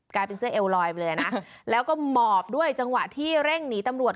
กลายเป็นเสื้อเอวลอยไปเลยนะแล้วก็หมอบด้วยจังหวะที่เร่งหนีตำรวจ